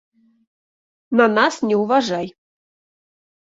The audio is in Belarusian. На нас не ўважай.